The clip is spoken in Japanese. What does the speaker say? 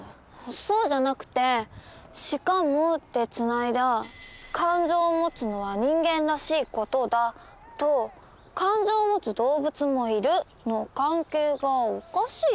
そうじゃなくて「しかも」でつないだ「感情を持つのは人間らしい事だ」と「感情を持つ動物もいる」の関係がおかしい